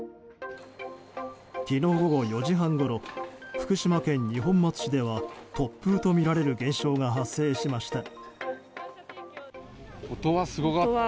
昨日午後４時半ごろ福島県二本松市では突風とみられる現象が発生しました。